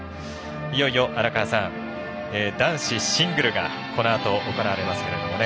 いよいよ男子シングルがこのあと、行われますけどね。